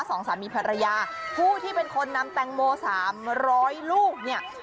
สองสามีภรรยาผู้ที่เป็นคนนำแตงโมสามร้อยลูกเนี่ย